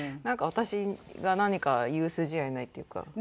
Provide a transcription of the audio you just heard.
私が何か言う筋合いないっていうか。